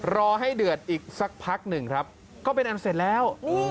รอให้เดือดอีกสักพักหนึ่งครับก็เป็นอันเสร็จแล้ว